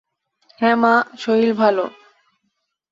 হ্যাঁ মা, শরীর ভালো।